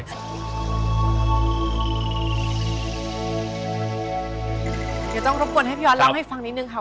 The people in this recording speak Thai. เดี๋ยวต้องรบกวนให้พี่ออสเล่าให้ฟังนิดนึงค่ะ